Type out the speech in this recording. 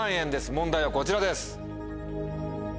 問題はこちらです。